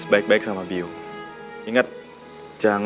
supaya aku bisa lepas selamanya dari majapahit